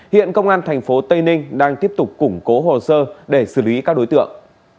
hiện công an tp tây ninh đang tiếp tục củng cố hồ sơ để xử lý các đối tượng